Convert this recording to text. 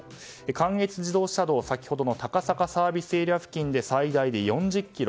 関越自動車道、高坂ＳＡ付近で最大で４０ｋｍ。